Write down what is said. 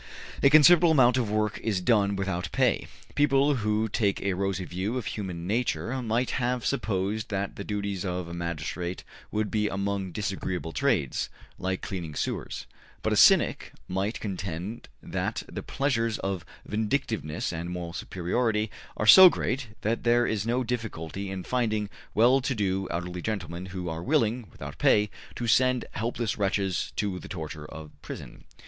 A considerable amount of work is done without pay. People who take a rosy view of human nature might have supposed that the duties of a magistrate would be among disagreeable trades, like cleaning sewers; but a cynic might contend that the pleasures of vindictiveness and moral superiority are so great that there is no difficulty in finding well to do elderly gentlemen who are willing, without pay, to send helpless wretches to the torture of prison.